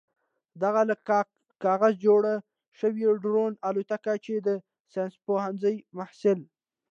دغه له کاک کاغذه جوړه شوې ډرون الوتکه چې د ساينس پوهنځي محصل